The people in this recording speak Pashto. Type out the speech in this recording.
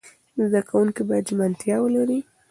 زده کوونکي باید ژمنتیا ولري.